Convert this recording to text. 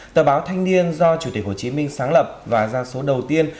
tờ báo thanh niên do chủ tịch hồ chí minh sáng lập và ra số đầu tiên